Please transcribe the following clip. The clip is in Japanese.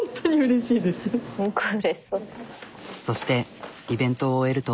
そしてイベントを終えると。